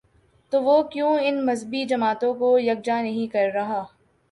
تو وہ کیوں ان مذہبی جماعتوں کو یک جا نہیں کر رہا؟